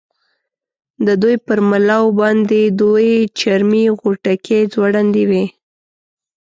د دوی پر ملاو باندې دوې چرمي غوټکۍ ځوړندې وې.